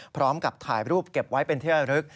พร้อมกับถ่ายรูปเก็บไว้เป็นเที่ยวลึก